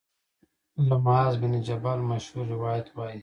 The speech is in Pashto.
له معاذ بن جبل مشهور روایت وايي